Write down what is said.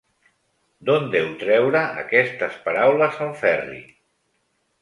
D'on deu treure aquestes paraules, el Ferri?